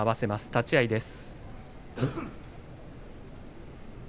立ち合いです。